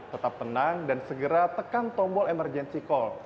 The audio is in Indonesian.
tetap tenang dan segera tekan tombol emergency call